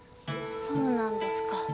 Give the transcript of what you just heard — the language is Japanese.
そうなんですか。